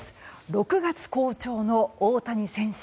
６月好調の大谷選手。